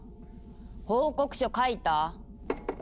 報告書書いた？